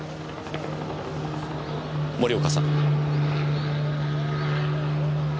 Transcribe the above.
森岡さん。